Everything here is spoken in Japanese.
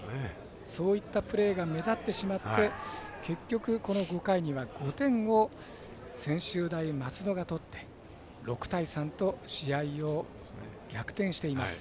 そういったプレーが目立ってしまって結局、５回には５点を専修大松戸が取って６対３と試合を逆転しています。